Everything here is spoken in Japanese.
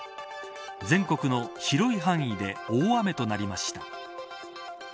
全国の広い範囲で大雨となりました。